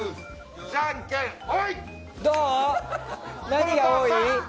何が多い？